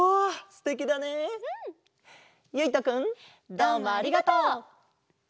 どうもありがとう！